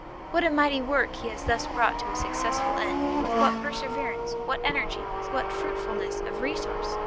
What a mighty work he has thus brought to a successful end, with what perseverance, what energy, with what fruitfulness of resource!